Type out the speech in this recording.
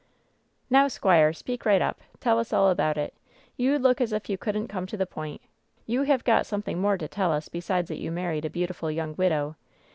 "Now, squire, speak right up. Tell us all about it. You look as if you couldn't come to the point. You have got something more to tell us besides that you married a beautiful young widow.